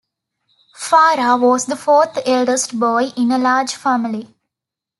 Farah was the fourth eldest boy in a large family.